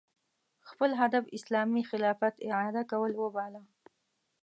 خپل هدف اسلامي خلافت اعاده کول وباله